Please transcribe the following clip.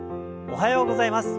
おはようございます。